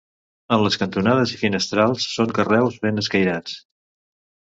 En les cantonades i finestrals són carreus ben escairats.